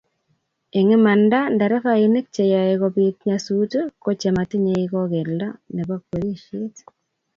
eng imanda nderefainik cheyoe kobiit nyasut kochematinye kogeldo nebo kwerishet